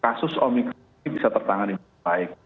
kasus omikron ini bisa tertangani dengan baik